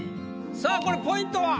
さあこれポイントは？